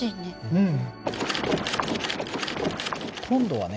うん。